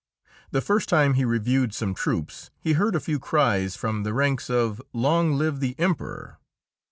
The first time he reviewed some troops he heard a few cries from the ranks of "Long live the Emperor!"